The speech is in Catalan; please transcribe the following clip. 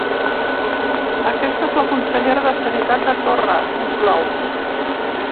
Aquesta és la consellera de sanitat de Torra, conclou.